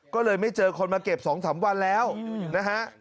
ก็เลยไม่เจอคนมาเก็บ๒๓วันแล้วนะฮะ